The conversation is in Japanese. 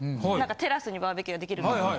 テラスにバーベキューができる。